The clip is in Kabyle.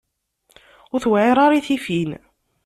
Ur tewɛiṛ ara i tifin.